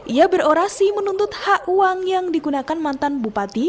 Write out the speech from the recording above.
ia berorasi menuntut hak uang yang digunakan mantan bupati